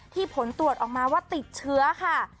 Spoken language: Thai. ผลตรวจออกมาว่าติดเชื้อค่ะ